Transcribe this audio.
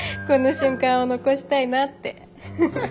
この瞬間を残したいなって。